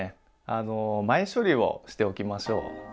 あの前処理をしておきましょう。